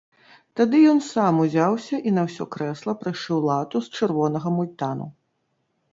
Тады ён сам ўзяўся і на ўсё крэсла прышыў лату з чырвонага мультану.